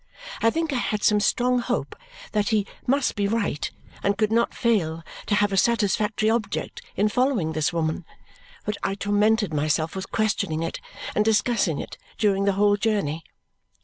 I think I had some strong hope that he must be right and could not fail to have a satisfactory object in following this woman, but I tormented myself with questioning it and discussing it during the whole journey.